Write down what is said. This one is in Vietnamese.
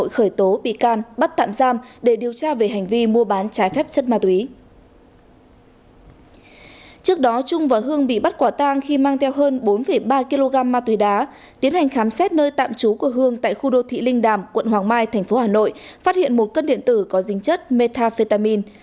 khi mang theo hơn bốn ba kg ma túy đá tiến hành khám xét nơi tạm trú của hương tại khu đô thị linh đàm quận hoàng mai thành phố hà nội phát hiện một cân điện tử có dính chất metafetamin